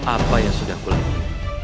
apa yang sudah aku lakukan